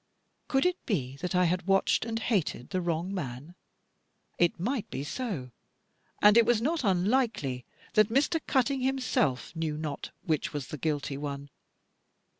Could it be that I had watched and hated the wrong man? It might be so; and it was not unlikely that Mr. Cutting himself knew not which was the guilty one.